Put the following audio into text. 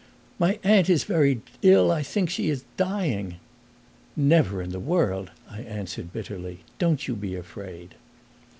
"My aunt is very ill; I think she is dying!" "Never in the world," I answered bitterly. "Don't you be afraid!"